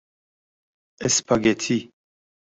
اسپاگتی